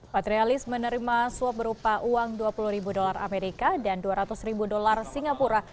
patrialis menerima suap berupa uang dua puluh ribu dolar amerika dan dua ratus ribu dolar singapura